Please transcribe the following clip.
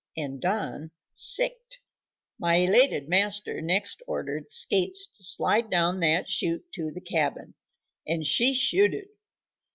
and Don sicked. My elated master next ordered Skates to slide down that chute to the cabin, and she shooted.